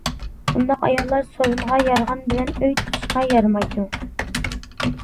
ئۇنداق ئاياللار سورۇنغا يارىغان بىلەن ئۆي تۇتۇشقا يارىمايدۇ!